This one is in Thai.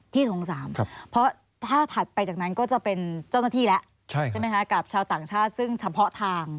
สงสารเพราะถ้าถัดไปจากนั้นก็จะเป็นเจ้าหน้าที่แล้วใช่ไหมคะกับชาวต่างชาติซึ่งเฉพาะทาง